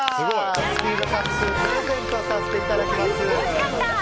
スピードカップスプレゼントさせていただきます。